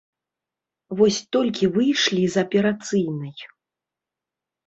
Вось толькі выйшлі з аперацыйнай.